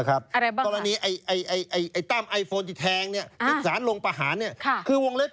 อะไรบ้างครับ